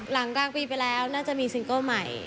หลังกลางปีไปแล้วน่าจะมีซิงเกิ้ลใหม่